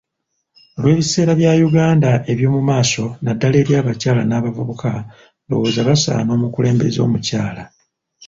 Lw'ebiseera bya Uganda eby'omu maaso naddala eri abakyala n'abavubuka ndowooza basaana omukulembeze omukyala.